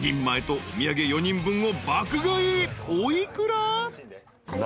［お幾ら？］